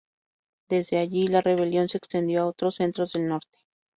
Desde allí, la rebelión se extendió a otros centros del norte.